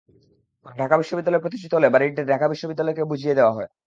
পরে ঢাকা বিশ্ববিদ্যালয় প্রতিষ্ঠিত হলে বাড়িটি ঢাকা বিশ্ববিদ্যালয়কে বুঝিয়ে দেওয়া হয়।